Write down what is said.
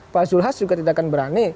pak zulkifil hasil juga tidak akan berani